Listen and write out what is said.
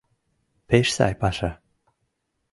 Пеш сай паша!